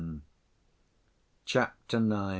Chapter IX.